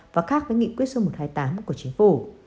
và khác với nghị quyết số một trăm hai mươi tám của chính phủ